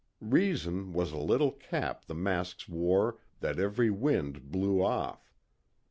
Reason was a little cap the masks wore that every wind blew off.